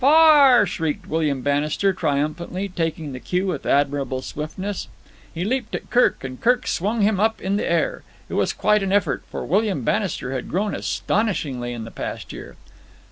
"Fa a a ar!" shrieked William Bannister triumphantly, taking the cue with admirable swiftness. He leaped at Kirk, and Kirk swung him up in the air. It was quite an effort, for William Bannister had grown astonishingly in the past year.